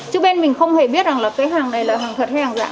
trước bên mình không hề biết rằng là cái hàng này là hàng thật hay hàng giả